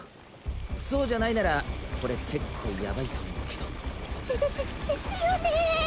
そうじゃないならこれ結構ヤバいと思うけどでででですよね？